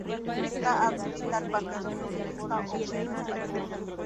Está adscrita al Partido Socialista Obrero Español.